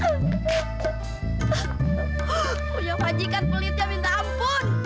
punya majikan pelitnya minta ampun